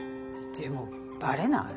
でもバレない？